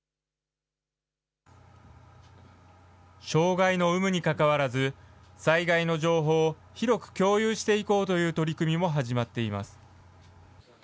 障害の有無にかかわらず、災害の情報を広く共有していこうという取り組みも始まっています。